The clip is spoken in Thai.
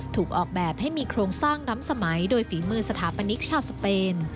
ถูกออกแบบให้มีโครงสร้างล้ำสมัยโดยฝีมือสถาปนิกชาวสเปน